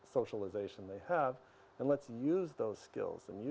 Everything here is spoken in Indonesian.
saya menumpahnya di atas desa saya